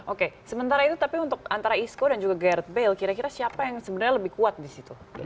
oke sementara itu tapi untuk antara isco dan juga gerd bail kira kira siapa yang sebenarnya lebih kuat di situ